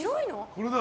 これだ。